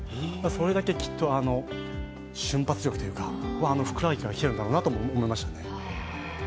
それだけときっと瞬発力はふくらはぎからきてるんだろうなと思いましたね。